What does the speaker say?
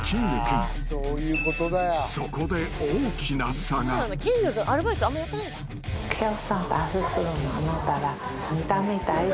［そこで大きな差が］それを。